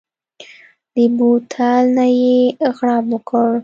د بوتل نه يې غړپ وکړ.